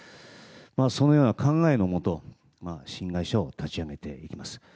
そのような考えのもと新会社を立ち上げていきます。